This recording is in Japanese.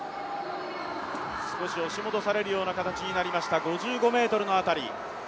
少し押し戻されるような形になりました、５５ｍの辺り。